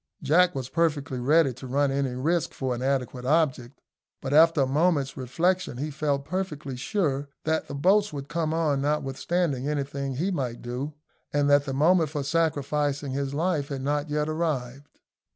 Jack was perfectly ready to run any risk for an adequate object; but after a moment's reflection he felt perfectly sure that the boats would come on notwithstanding anything he might do, and that the moment for sacrificing his life had not yet arrived.